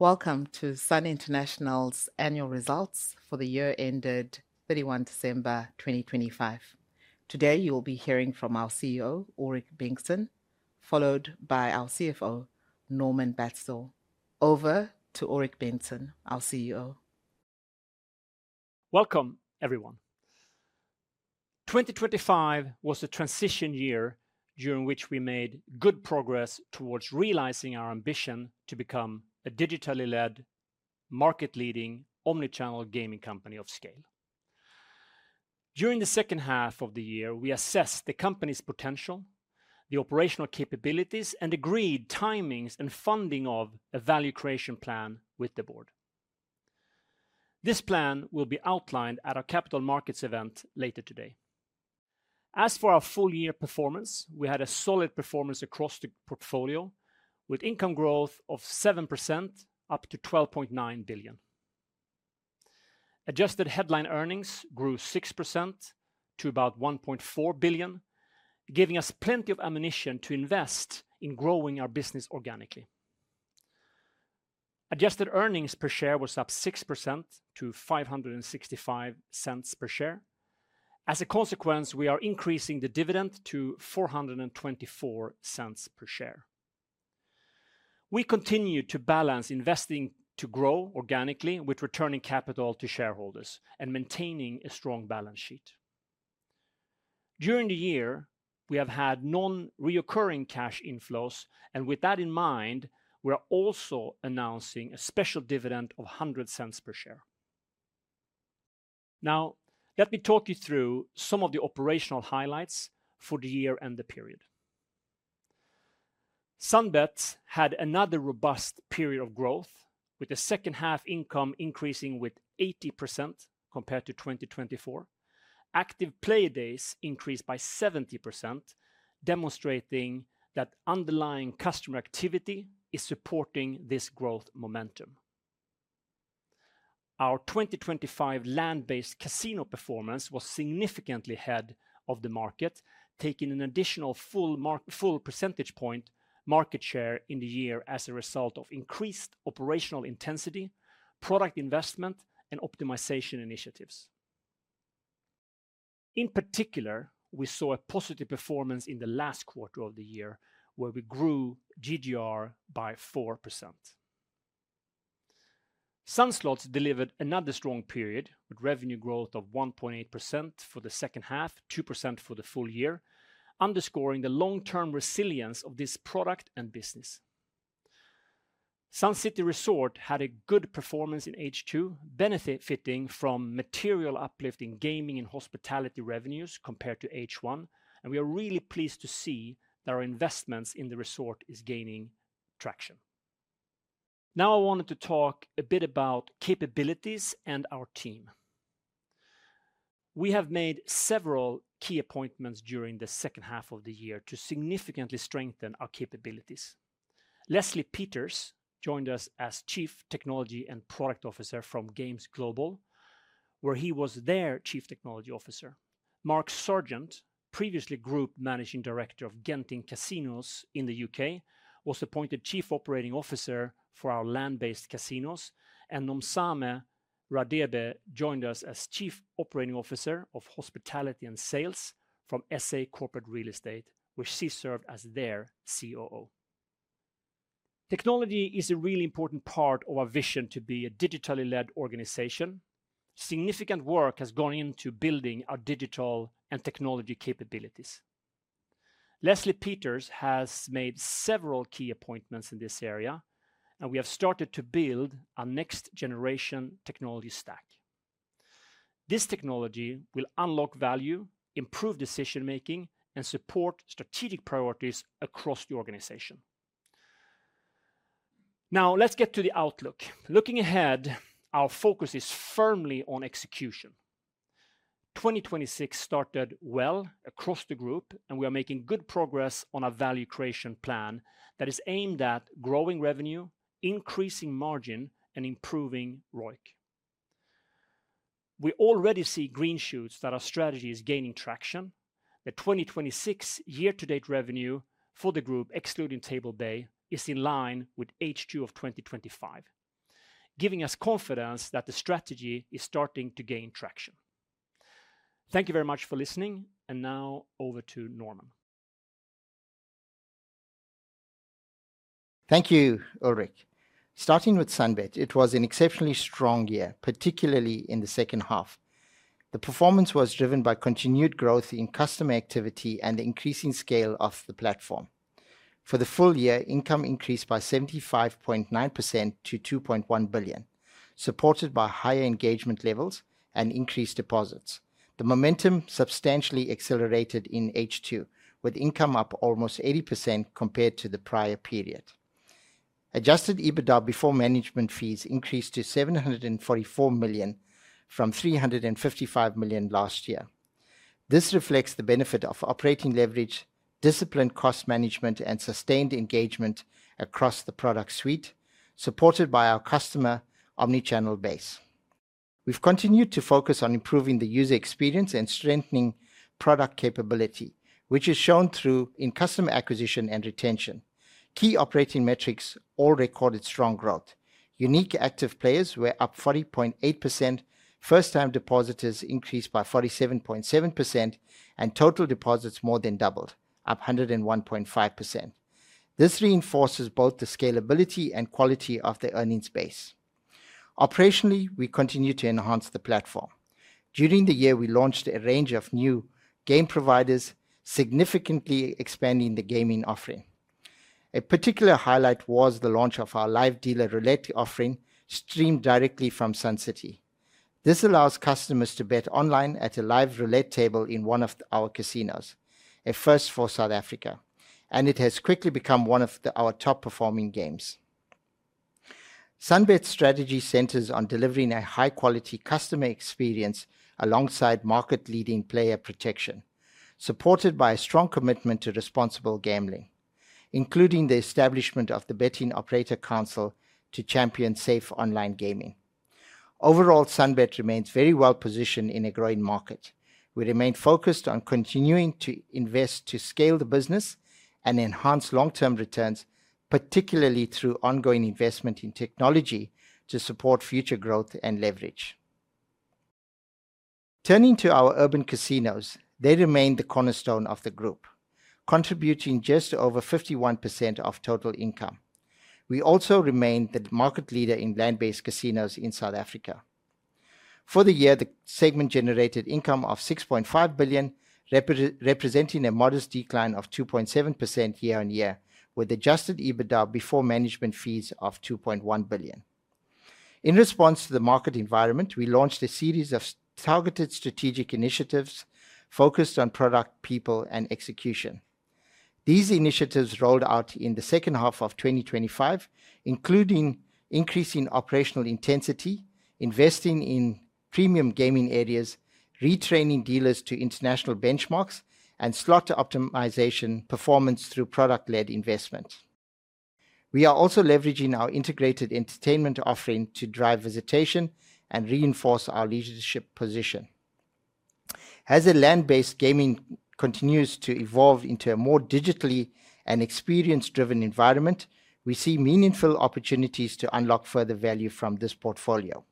Welcome to Sun International's annual results for the year ended 31 December 2025. Today, you'll be hearing from our CEO, Ulrik Bengtsson, followed by our CFO, Norman Basthdaw. Over to Ulrik Bengtsson, our CEO. Welcome, everyone. 2025 was a transition year during which we made good progress towards realizing our ambition to become a digitally led, market-leading, omni-channel gaming company of scale. During the second half of the year, we assessed the company's potential, the operational capabilities, and agreed timings and funding of a value creation plan with the board. This plan will be outlined at our capital markets event later today. As for our full year performance, we had a solid performance across the portfolio with income growth of 7% to 12.9 billion. Adjusted headline earnings grew 6% to about 1.4 billion, giving us plenty of ammunition to invest in growing our business organically. Adjusted earnings per share was up 6% to 5.65 per share. As a consequence, we are increasing the dividend to 4.24 per share. We continue to balance investing to grow organically with returning capital to shareholders and maintaining a strong balance sheet. During the year, we have had non-recurring cash inflows, and with that in mind, we are also announcing a special dividend of 1.00 per share. Now, let me talk you through some of the operational highlights for the year and the period. SunBet had another robust period of growth with the second half income increasing by 80% compared to 2024. Active play days increased by 70%, demonstrating that underlying customer activity is supporting this growth momentum. Our 2025 land-based casino performance was significantly ahead of the market, taking an additional full percentage point market share in the year as a result of increased operational intensity, product investment, and optimization initiatives. In particular, we saw a positive performance in the last quarter of the year where we grew GGR by 4%. Sun Slots delivered another strong period with revenue growth of 1.8% for the second half, 2% for the full year, underscoring the long-term resilience of this product and business. Sun City Resort had a good performance in H2, benefiting from material uplift in gaming and hospitality revenues compared to H1, and we are really pleased to see that our investments in the resort is gaining traction. Now I wanted to talk a bit about capabilities and our team. We have made several key appointments during the second half of the year to significantly strengthen our capabilities. Leslie Peters joined us as Chief Technology and Product Officer from Games Global, where he was their Chief Technology Officer. Mark Sergeant, previously Group Managing Director of Genting Casinos in the U.K., was appointed Chief Operating Officer for our land-based casinos, and Nomzamo Radebe joined us as Chief Operating Officer of Hospitality and Sales from SA Corporate Real Estate, which she served as their COO. Technology is a really important part of our vision to be a digitally led organization. Significant work has gone into building our digital and technology capabilities. Leslie Peters has made several key appointments in this area, and we have started to build our next generation technology stack. This technology will unlock value, improve decision-making, and support strategic priorities across the organization. Now, let's get to the outlook. Looking ahead, our focus is firmly on execution. 2026 started well across the group, and we are making good progress on our value creation plan that is aimed at growing revenue, increasing margin, and improving ROIC. We already see green shoots that our strategy is gaining traction. The 2026 year-to-date revenue for the group, excluding Table Bay, is in line with H2 of 2025, giving us confidence that the strategy is starting to gain traction. Thank you very much for listening, and now over to Norman. Thank you, Ulrik. Starting with SunBet it was an exceptionally strong year, particularly in the second half. The performance was driven by continued growth in customer activity and the increasing scale of the platform. For the full year, income increased by 75.9% to 2.1 billion, supported by higher engagement levels and increased deposits. The momentum substantially accelerated in H2, with income up almost 80% compared to the prior period. Adjusted EBITDA before management fees increased to 744 million from 355 million last year. This reflects the benefit of operating leverage, disciplined cost management, and sustained engagement across the product suite, supported by our customer omni-channel base. We've continued to focus on improving the user experience and strengthening product capability, which is shown through increased customer acquisition and retention. Key operating metrics all recorded strong growth. Unique active players were up 40.8%, first-time depositors increased by 47.7%, and total deposits more than doubled, up 101.5%. This reinforces both the scalability and quality of the earnings base. Operationally, we continue to enhance the platform. During the year, we launched a range of new game providers, significantly expanding the gaming offering. A particular highlight was the launch of our live dealer roulette offering, streamed directly from Sun City. This allows customers to bet online at a live roulette table in one of our casinos, a first for South Africa, and it has quickly become one of our top-performing games. SunBet's strategy centers on delivering a high-quality customer experience alongside market-leading player protection, supported by a strong commitment to responsible gambling, including the establishment of the Betting Operator Council to champion safe online gaming. Overall, SunBet remains very well-positioned in a growing market. We remain focused on continuing to invest to scale the business and enhance long-term returns, particularly through ongoing investment in technology to support future growth and leverage. Turning to our urban casinos, they remain the cornerstone of the group, contributing just over 51% of total income. We also remain the market leader in land-based casinos in South Africa. For the year, the segment generated income of 6.5 billion, representing a modest decline of 2.7% year-on-year, with adjusted EBITDA before management fees of 2.1 billion. In response to the market environment, we launched a series of targeted strategic initiatives focused on product, people, and execution. These initiatives rolled out in the second half of 2025, including increasing operational intensity, investing in premium gaming areas, retraining dealers to international benchmarks, and slot optimization performance through product-led investment. We are also leveraging our integrated entertainment offering to drive visitation and reinforce our leadership position. As the land-based gaming continues to evolve into a more digitally and experience-driven environment, we see meaningful opportunities to unlock further value from this portfolio.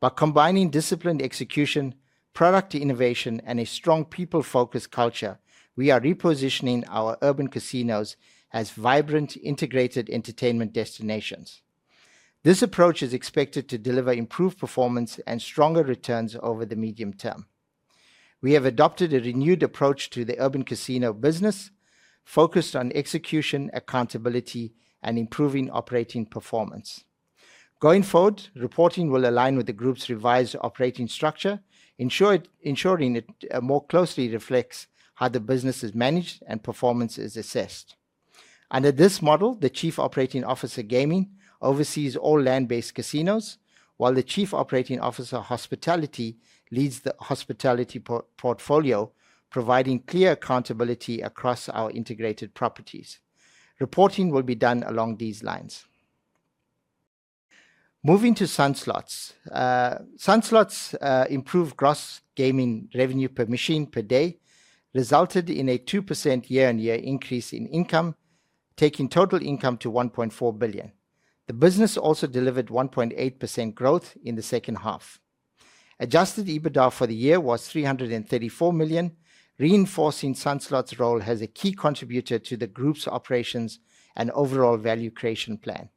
By combining disciplined execution, product innovation, and a strong people-focused culture we are repositioning our urban casinos as vibrant, integrated entertainment destinations. This approach is expected to deliver improved performance and stronger returns over the medium term. We have adopted a renewed approach to the urban casino business, focused on execution, accountability, and improving operating performance. Going forward, reporting will align with the group's revised operating structure, ensuring it more closely reflects how the business is managed and performance is assessed. Under this model, the Chief Operating Officer: Gaming oversees all land-based casinos, while the Chief Operating Officer: Hospitality leads the hospitality portfolio, providing clear accountability across our integrated properties. Reporting will be done along these lines. Moving to Sun Slots. Sun Slots improved gross gaming revenue per machine per day resulted in a 2% year-on-year increase in income, taking total income to 1.4 billion. The business also delivered 1.8% growth in the second half. Adjusted EBITDA for the year was 334 million, reinforcing Sun Slots role as a key contributor to the group's operations and overall value creation plan.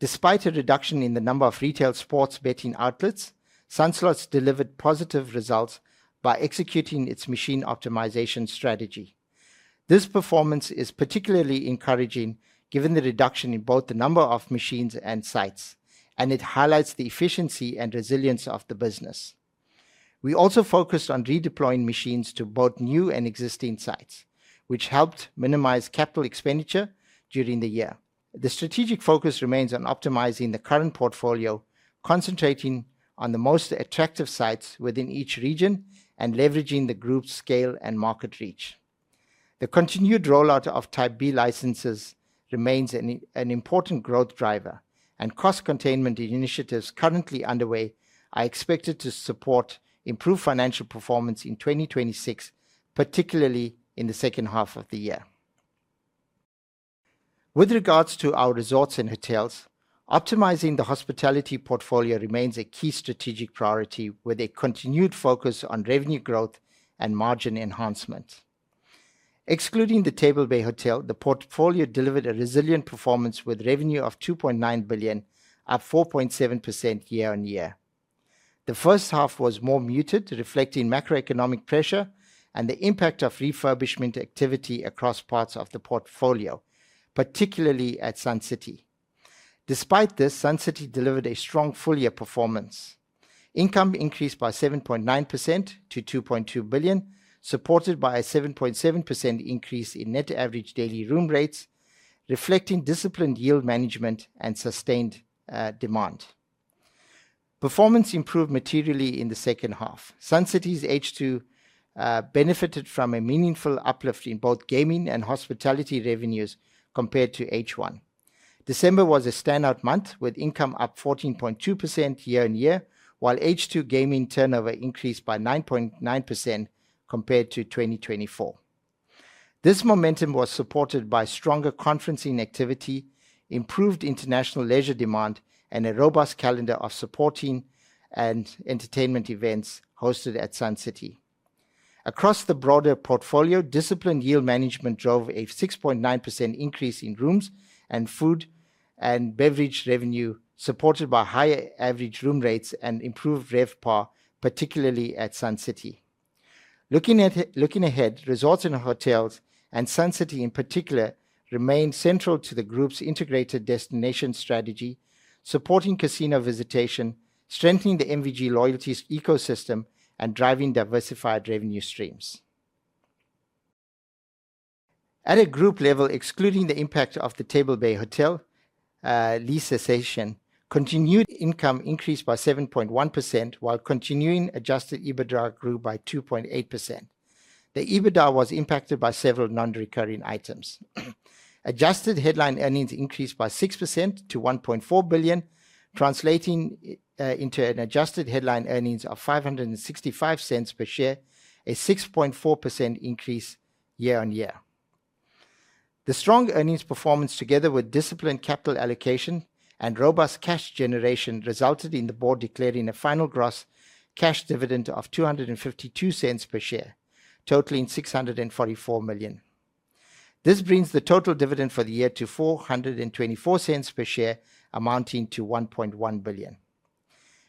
Despite a reduction in the number of retail sports betting outlets, Sun Slots delivered positive results by executing its machine optimization strategy. This performance is particularly encouraging given the reduction in both the number of machines and sites, and it highlights the efficiency and resilience of the business. We also focused on redeploying machines to both new and existing sites, which helped minimize capital expenditure during the year. The strategic focus remains on optimizing the current portfolio, concentrating on the most attractive sites within each region, and leveraging the group's scale and market reach. The continued rollout of Type B licenses remains an important growth driver, and cost containment initiatives currently underway are expected to support improved financial performance in 2026, particularly in the second half of the year. With regards to our resorts and hotels, optimizing the hospitality portfolio remains a key strategic priority, with a continued focus on revenue growth and margin enhancement. Excluding the Table Bay Hotel, the portfolio delivered a resilient performance, with revenue of 2.9 billion, up 4.7% year-over-year. The first half was more muted, reflecting macroeconomic pressure and the impact of refurbishment activity across parts of the portfolio, particularly at Sun City. Despite this, Sun City delivered a strong full-year performance. Income increased by 7.9% to 2.2 billion, supported by a 7.7% increase in net average daily room rates, reflecting disciplined yield management and sustained demand. Performance improved materially in the second half. Sun City's H2 benefited from a meaningful uplift in both gaming and hospitality revenues compared to H1. December was a standout month, with income up 14.2% year-on-year, while H2 gaming turnover increased by 9.9% compared to 2024. This momentum was supported by stronger conferencing activity, improved international leisure demand, and a robust calendar of sporting and entertainment events hosted at Sun City. Across the broader portfolio, disciplined yield management drove a 6.9% increase in rooms and food and beverage revenue, supported by higher average room rates and improved RevPAR, particularly at Sun City. Looking ahead, resorts and hotels, and Sun City in particular, remain central to the group's integrated destination strategy, supporting casino visitation, strengthening the MVG loyalties ecosystem, and driving diversified revenue streams. At a group level, excluding the impact of the Table Bay Hotel lease cessation, continuing income increased by 7.1%, while continuing adjusted EBITDA grew by 2.8%. The EBITDA was impacted by several non-recurring items. Adjusted headline earnings increased by 6% to 1.4 billion, translating into an adjusted headline earnings of 5.65 per share, a 6.4% increase year-on-year. The strong earnings performance together with disciplined capital allocation and robust cash generation resulted in the board declaring a final gross cash dividend of 2.52 per share, totaling 644 million. This brings the total dividend for the year to 4.24 per share, amounting to 1.1 billion.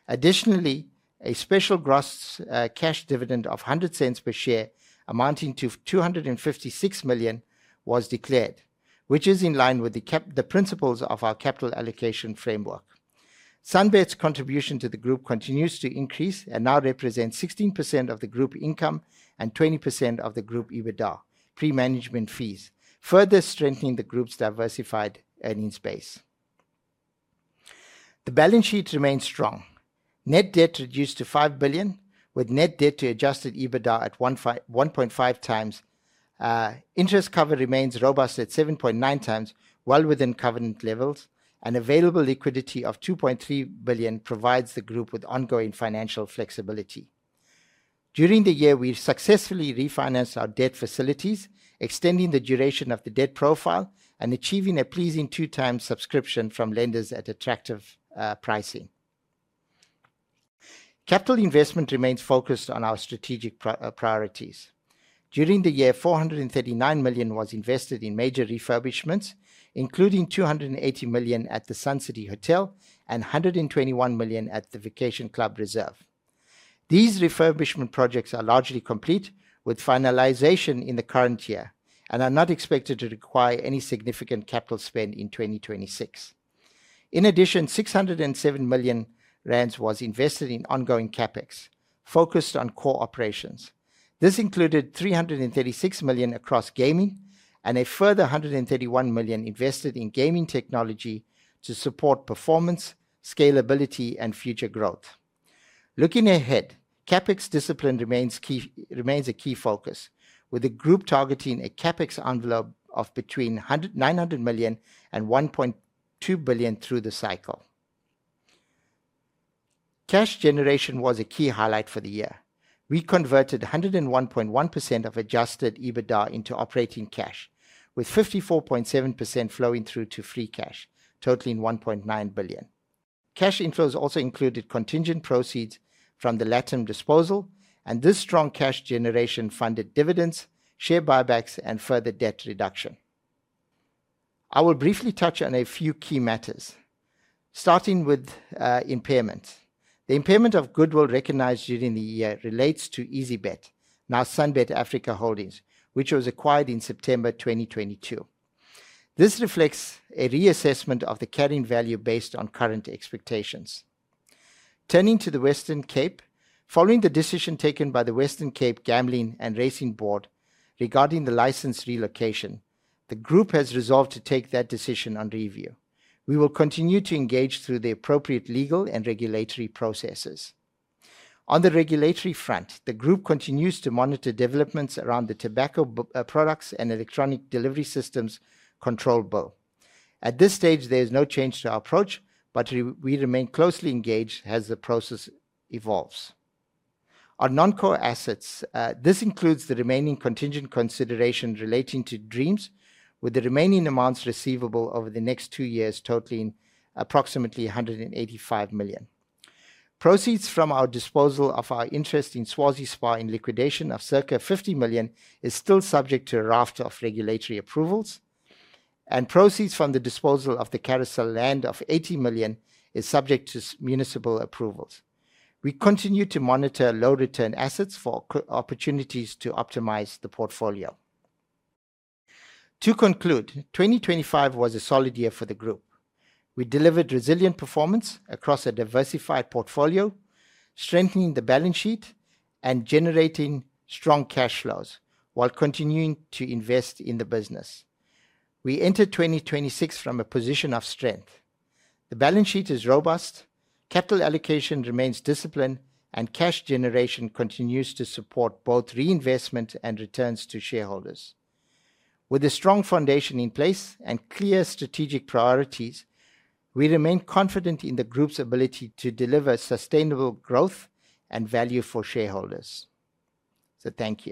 Additionally, a special gross cash dividend of 1.00 per share, amounting to 256 million was declared, which is in line with the principles of our capital allocation framework. SunBet's contribution to the group continues to increase and now represents 16% of the group income and 20% of the group EBITDA, pre-management fees, further strengthening the group's diversified earnings base. The balance sheet remains strong. Net debt reduced to 5 billion, with net debt to adjusted EBITDA at 1.5x. Interest cover remains robust at 7.9x, well within covenant levels, and available liquidity of 2.3 billion provides the group with ongoing financial flexibility. During the year, we've successfully refinanced our debt facilities, extending the duration of the debt profile and achieving a pleasing two-time subscription from lenders at attractive pricing. Capital investment remains focused on our strategic priorities. During the year, 439 million was invested in major refurbishments, including 280 million at the Sun City Hotel and 121 million at the Vacation Club Reserve. These refurbishment projects are largely complete with finalization in the current year and are not expected to require any significant capital spend in 2026. In addition, 607 million rand was invested in ongoing CapEx focused on core operations. This included 336 million across gaming and a further 131 million invested in gaming technology to support performance, scalability, and future growth. Looking ahead, CapEx discipline remains a key focus, with the group targeting a CapEx envelope of between 900 million and 1.2 billion through the cycle. Cash generation was a key highlight for the year. We converted 101.1% of adjusted EBITDA into operating cash, with 54.7% flowing through to free cash, totaling 1.9 billion. Cash inflows also included contingent proceeds from the LatAm disposal, and this strong cash generation funded dividends, share buybacks, and further debt reduction. I will briefly touch on a few key matters, starting with impairment. The impairment of goodwill recognized during the year relates to EasyBet, now SunBet Africa Holdings, which was acquired in September 2022. This reflects a reassessment of the carrying value based on current expectations. Turning to the Western Cape, following the decision taken by the Western Cape Gambling and Racing Board regarding the license relocation, the group has resolved to take that decision under review. We will continue to engage through the appropriate legal and regulatory processes. On the regulatory front, the group continues to monitor developments around the Tobacco Products and Electronic Delivery Systems Control Bill. At this stage, there is no change to our approach, but we remain closely engaged as the process evolves. Our non-core assets, this includes the remaining contingent consideration relating to Dreams, with the remaining amounts receivable over the next two years totaling approximately 185 million. Proceeds from our disposal of our interest in Swazi Spa in liquidation of circa 50 million is still subject to a raft of regulatory approvals, and proceeds from the disposal of the Carousel land of 80 million is subject to municipal approvals. We continue to monitor low-return assets for opportunities to optimize the portfolio. To conclude, 2025 was a solid year for the group. We delivered resilient performance across a diversified portfolio, strengthening the balance sheet and generating strong cash flows while continuing to invest in the business. We enter 2026 from a position of strength. The balance sheet is robust, capital allocation remains disciplined, and cash generation continues to support both reinvestment and returns to shareholders. With a strong foundation in place and clear strategic priorities, we remain confident in the group's ability to deliver sustainable growth and value for shareholders. Thank you.